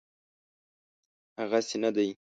هغسي نه دی.